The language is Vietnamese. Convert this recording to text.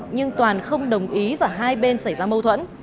nhưng toàn không đồng ý và hai bên xảy ra mâu thuẫn